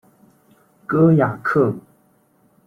戈雅克。